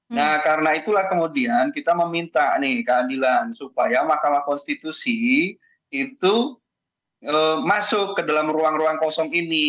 nah karena itulah kemudian kita meminta nih keadilan supaya mahkamah konstitusi itu masuk ke dalam ruang ruang kosong ini